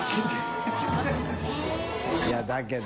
いだけど。